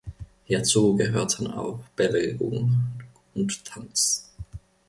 Hierzu gehörten auch Bewegung und Tanz.